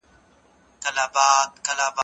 که ټولنه ونه لولي، نوي ليکوالان به څنګه وزېږول سي؟